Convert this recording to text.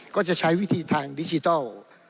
ก็จะใช้วิธีทางดิจิทัล